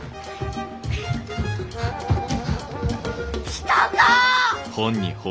来たか！